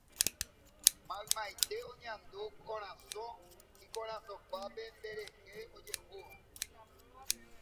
Maymaite oñandu ikorasõ kuápe nderehe ojehúva.